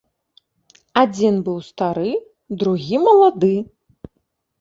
Адзін быў стары, другі малады.